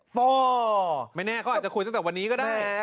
ฟ่อไม่แน่เขาอาจจะคุยตั้งแต่วันนี้ก็ได้